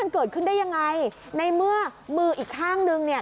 มันเกิดขึ้นได้ยังไงในเมื่อมืออีกข้างนึงเนี่ย